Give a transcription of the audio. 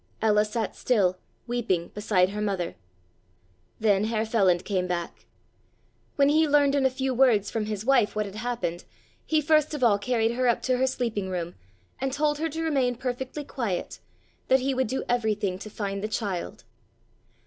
Ella sat still, weeping, beside her mother. Then Herr Feland came back. When he learned in a few words from his wife what had happened, he first of all carried her up to her sleeping room and told her to remain perfectly quiet, that he would do everything to find the child.